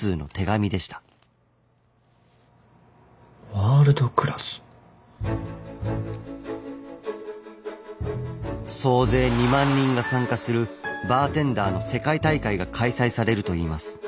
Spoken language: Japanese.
ワールドクラス。総勢２万人が参加するバーテンダーの世界大会が開催されるといいます。